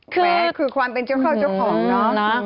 คือความเป็นเจ้าเคล้าเจ้าของนะ